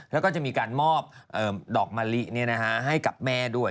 แล้วก็จะมีการมอบดอกมะลิให้กับแม่ด้วย